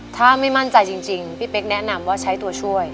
ถ้าไม่มั่นใจจริงพี่เป๊กแนะนำว่าใช้ตัวช่วย